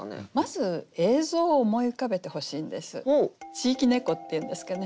地域猫っていうんですかね